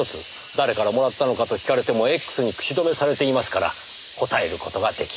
誰からもらったのかと聞かれてもＸに口止めされていますから答える事ができない。